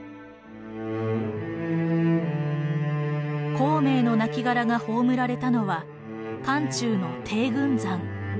孔明の亡骸が葬られたのは漢中の定軍山。